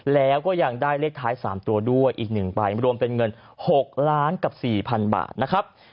แล้วก็ยังได้เลขท้าย๓ตัวด้วยอีก๑ใบรวมเป็นเงิน๖ล้านกับ๔๐๐๐บาทนะครับ